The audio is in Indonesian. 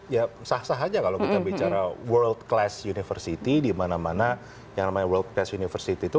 ya sah sah aja kalau kita bicara world class university di mana mana yang namanya world class university itu